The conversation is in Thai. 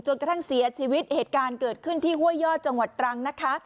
กระทั่งเสียชีวิตเหตุการณ์เกิดขึ้นที่ห้วยยอดจังหวัดตรังนะคะ